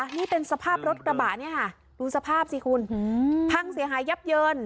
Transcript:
นี่เป็นสภาพรถกระบะเนี่ยค่ะดูสภาพสิคุณพังเสียหายยับเยิน